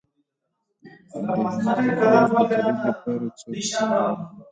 د هندي غوز د تولید لپاره څو کسان ژوندي پاتې شول.